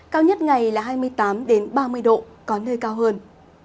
cao nhất ngày là hai mươi tám ba mươi độ có nơi cao hơn